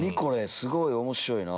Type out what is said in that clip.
すごい面白いな。